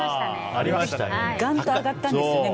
がんと上がったんですよね。